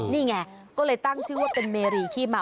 นี่ไงก็เลยตั้งชื่อว่าเป็นเมรีขี้เมา